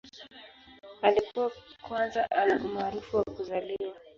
Alikuwa kwanza ana umaarufu wa kuzaliwa.